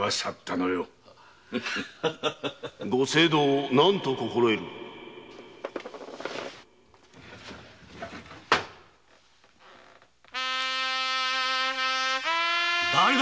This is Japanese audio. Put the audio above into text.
・ご政道を何と心得るだれだ？